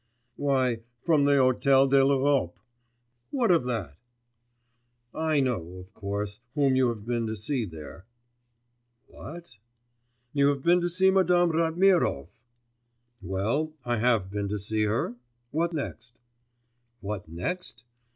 'Why, from the Hôtel de l'Europe. What of that?' 'I know, of course, whom you have been to see there.' 'What?' 'You have been to see Madame Ratmirov.' 'Well, I have been to see her. What next?' 'What next?...